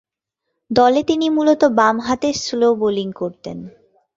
দলে তিনি মূলতঃ বামহাতে স্লো বোলিং করতেন।